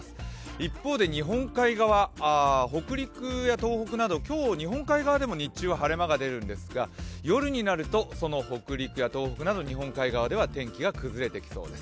一方で日本海側、北陸や東北など今日は日本海側でも日中は晴れ間が出るんですが、夜になると、北陸や東北など日本海側では天気が崩れてきそうです。